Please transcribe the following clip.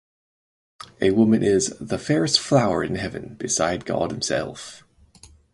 A woman is "the fairest flower in Heaven beside God Himself".